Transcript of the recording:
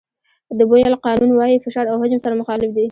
د بویل قانون وایي فشار او حجم سره مخالف دي.